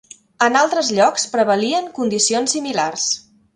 En altres llocs prevalien condicions similars.